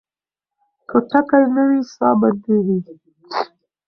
که ټکی نه وي ساه بندېږي.